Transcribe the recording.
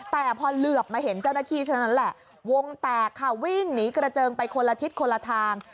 แต่พอเหลือบมาเห็นเจ้าหน้าที่เท่านั้นแหละวงแตกค่ะวิ่งหนีกระเจิงไปคนละทิศคนละทาง